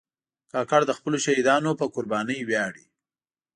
کاکړ د خپلو شهیدانو له قربانۍ ویاړي.